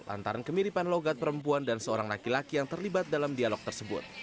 antara kemiripan logat perempuan dan seorang laki laki yang terlibat dalam dialog tersebut